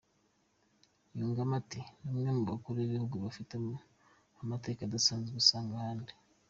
Yungamo ati :"Ni umwe mu bakuru b’igihugu bafite amateka adasanzwe utasanga ahandi.